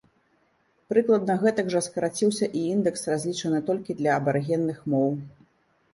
Прыкладна гэтак жа скараціўся і індэкс, разлічаны толькі для абарыгенных моў.